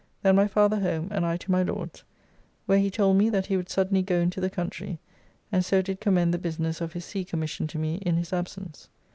Then my father home, and I to my Lord's; where he told me that he would suddenly go into the country, and so did commend the business of his sea commission to me in his absence.